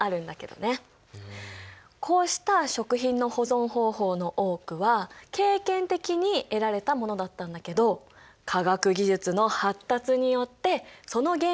こうした食品の保存方法の多くは経験的に得られたものだったんだけど科学技術の発達によってその原理が解明されてきたんだ。